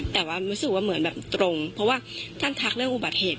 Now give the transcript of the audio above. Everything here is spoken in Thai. แต่ว่ารู้สึกว่าเหมือนแบบตรงเพราะว่าท่านทักเรื่องอุบัติเหตุ